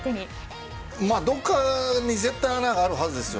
どこかに絶対、穴があるはずですよ。